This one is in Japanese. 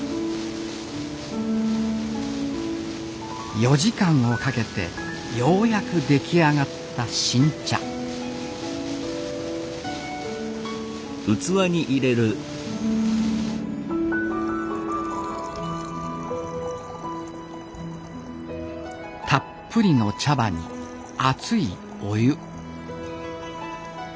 ４時間をかけてようやく出来上がった新茶たっぷりの茶葉に熱いお湯